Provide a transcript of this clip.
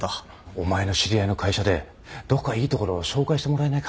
お前の知り合いの会社でどこかいいところを紹介してもらえないか？